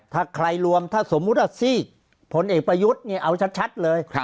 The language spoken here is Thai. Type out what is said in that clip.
ถ้าใครรวมถ้าสมมุติว่าซีกผลเอกประยุทธ์เนี่ยเอาชัดเลย